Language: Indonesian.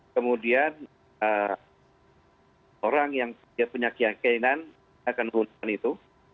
kemudian orang yang punya keyakinan akan menggunakan itu